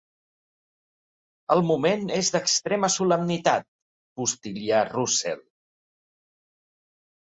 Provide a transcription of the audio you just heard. El moment és d'extrema solemnitat —postil·la Russell—.